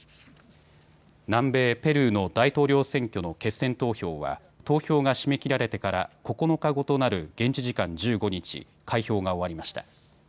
南米ペルーの大統領選挙の決選投票は投票が締め切られてから９日後となる現地時間１５日、開票が終わりました。